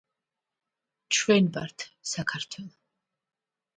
ჩვენ ვართ საქართველო